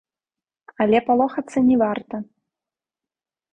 Але палохацца не варта.